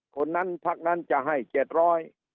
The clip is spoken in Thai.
คนนั้นพักนั้นจะให้เจ็ดร้อย